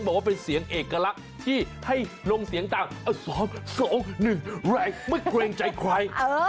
บอกว่าเป็นเสียงเอกลักษณ์ที่ให้ลงเสียงตาม๒๑แรงไม่เกรงใจใคร